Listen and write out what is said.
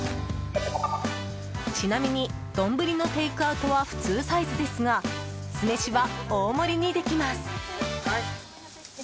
ちなみに丼のテイクアウトは普通サイズですが酢飯は大盛りにできます。